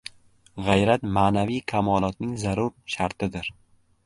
G‘ayrat ma’naviy kamolotning zarur shartidir.